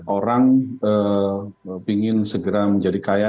orang ingin segera menjadi kaya